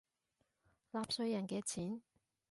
納稅人嘅錢